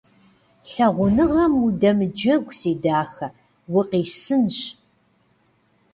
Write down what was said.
Лъагъуныгъэм удэмыджэгу, си дахэ, укъисынщ.